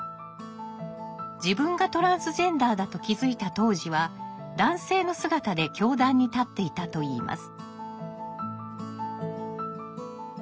自分がトランスジェンダーだと気づいた当時は男性の姿で教壇に立っていたといいます。